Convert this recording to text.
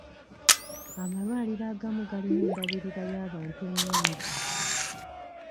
Amalwaliro agamu galina endabirira y'abantu ennungi.